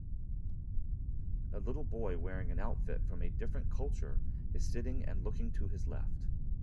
A little boy wearing an outfit from a different culture is sitting and looking to his left.